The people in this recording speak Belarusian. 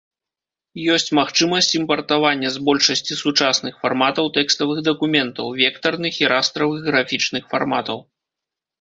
Ёсць магчымасць імпартавання з большасці сучасных фарматаў тэкставых дакументаў, вектарных і растравых графічных фарматаў.